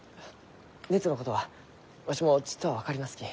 熱のことはわしもちっとは分かりますき。